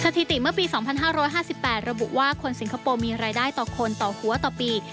ถิติเมื่อปี๒๕๕๘ระบุว่าคนสิงคโปร์มีรายได้ต่อคนต่อหัวต่อปี